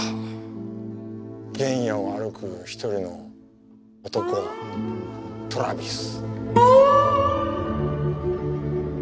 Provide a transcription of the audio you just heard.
原野を歩く一人の男トラヴィス。